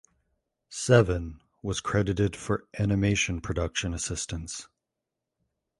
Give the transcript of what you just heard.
Seven was credited for animation production assistance.